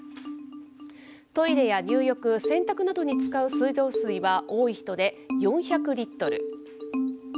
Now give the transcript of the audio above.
トイレや入浴、洗濯などに使う水道水は、多い人で４００リットル。